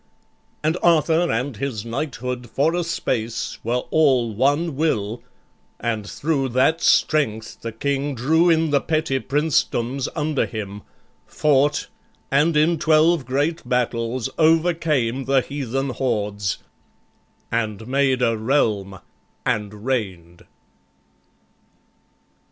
And Arthur and his knighthood for a space Were all one will, and thro' that strength the King Drew in the petty princedoms under him, Fought, and in twelve great battles overcame The heathen hordes, and made a realm and reign'd.